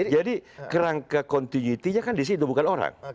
jadi kerangka continuity nya kan di sini itu bukan orang